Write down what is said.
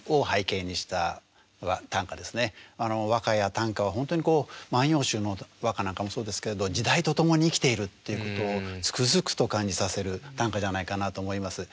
和歌や短歌は本当に「万葉集」の和歌なんかもそうですけれど時代と共に生きているっていうことをつくづくと感じさせる短歌じゃないかなと思います。